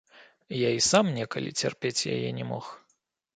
Я і сам, некалі, цярпець яе не мог.